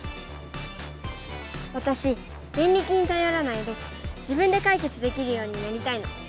わたしデンリキにたよらないで自分でかいけつできるようになりたいの。